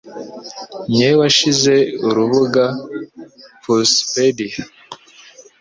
niwe washinze urubuga Pussypedia